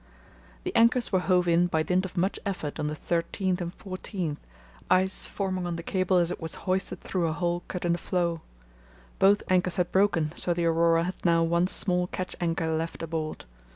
The anchors were hove in by dint of much effort on the 13th and 14th, ice forming on the cable as it was hoisted through a hole cut in the floe. Both anchors had broken, so the Aurora had now one small kedge anchor left aboard.